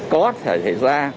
có thể ra